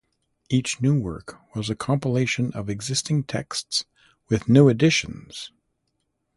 Each new work was a compilation of existing texts with new additions.